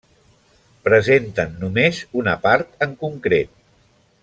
Presenten només una part en concret.